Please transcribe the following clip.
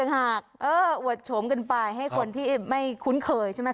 หากอวดโฉมกันไปให้คนที่ไม่คุ้นเคยใช่ไหม